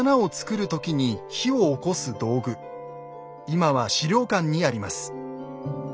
今は資料館にあります。